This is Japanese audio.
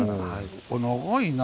長いな。